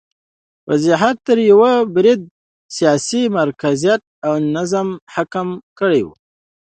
دا وضعیت تر یوه بریده سیاسي مرکزیت او نظم حاکم کړی و